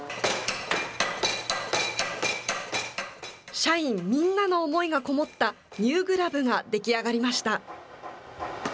社員みんなの思いがこもったニューグラブが出来上がりました。